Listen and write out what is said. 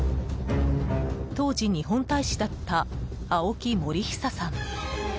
当時、日本大使だった青木盛久さん。